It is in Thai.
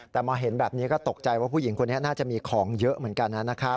แต่มาเห็นแบบนี้ก็ตกใจว่าผู้หญิงคนนี้น่าจะมีของเยอะเหมือนกันนะครับ